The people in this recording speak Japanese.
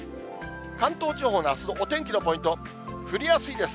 関東地方のあすのお天気のポイント、降りやすいです。